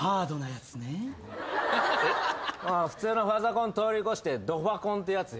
普通のファザコン通り越してドファコンってやつよ。